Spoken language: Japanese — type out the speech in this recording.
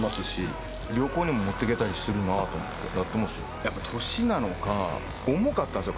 やっぱ年なのか重かったんすよ